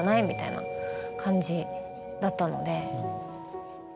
みたいな感じだったので。